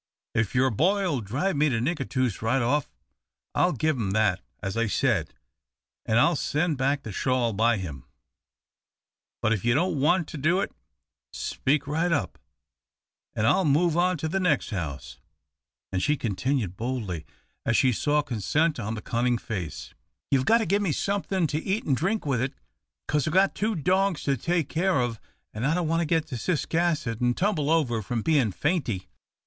If your boy'll drive me to Nicatoos right off, I'll give him that as I said, an' I'll send back the shawl by him. But if you don't want to do it, speak right up, an' I'll move on to the next house, and," she continued boldly as she saw consent on the cunning face, "you've got to give me somethin' to eat an' drink with it, 'cause I've got two dogs to take care of, an' I don't want to get to Ciscasset and tumble over from bein' fainty."